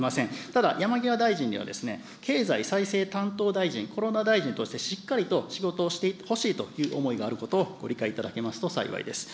ただ、山際大臣には経済再生担当大臣、コロナ大臣として、しっかりと仕事をしてほしいという思いがあることをご理解いただけますと幸いです。